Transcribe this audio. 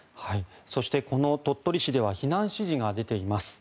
そして、鳥取市では避難指示が出ています。